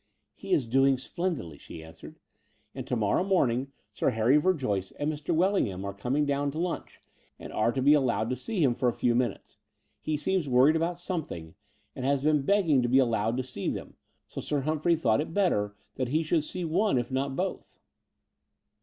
He is doing splendidly," she answered; "and to morrow Sir Harry Verjoyce and Mr. Welling ham are coming down to lunch, and are to be allowed to see him for a few minutes. He seems worried about something, and has been begging to be allowed to see them : so Sir Humphrey thought it better that he shotdd see one, if not both."